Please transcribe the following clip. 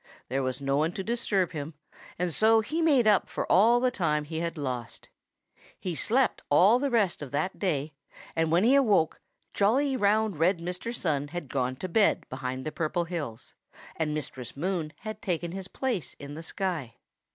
There was no one to disturb him, and so he made up for all the time he had lost. He slept all the rest of that day, and when he awoke, jolly, round red Mr. Sun had gone to bed behind the Purple Hills, and Mistress Moon had taken his place in the sky.